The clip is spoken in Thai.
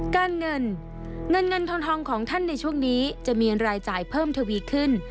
การเงินเงินทองของท่านในช่วงนี้จะมีรายจ่ายเพิ่มทวีขึ้น